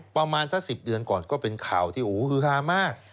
ประมาณสัก๑๐เดือนก่อนก็เป็นข่าวที่อู๋คือฮามาก